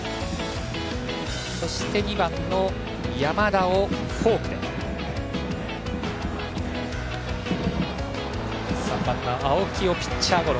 そして２番の山田をフォークで３番の青木をピッチャーゴロ。